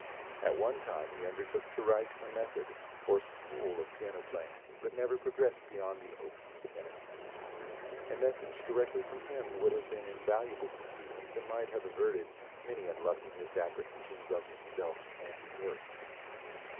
At one time he undertook to write a method or school of piano playing, but never progressed beyond the opening sentences. A message directly from him would have been invaluable to students, and might have averted many unlucky misapprehensions of himself and his works.